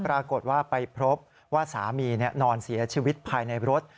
ปรากฏว่าไปพบว่าสามีนอนเสียชีวิตภายในรถ